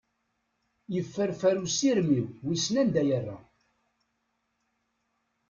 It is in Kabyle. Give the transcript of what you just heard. Yefferfer usirem-iw, wissen anda yerra.